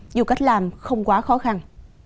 dù cách làm không quá khó khăn